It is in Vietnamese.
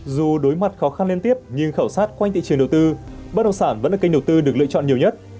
dù đối mặt khó khăn liên tiếp nhưng khảo sát quanh thị trường đầu tư bất động sản vẫn là kênh đầu tư được lựa chọn nhiều nhất